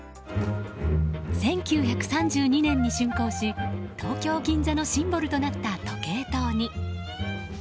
１９３２年に竣工し東京・銀座のシンボルとなった時計塔に。